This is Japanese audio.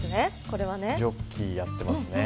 これはねジョッキーやってますね